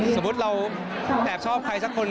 สมมุติเราแอบชอบใครสักคน